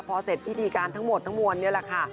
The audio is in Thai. พอเสร็จพิธีการทั้งหมดทั้งมวลนี่แหละค่ะ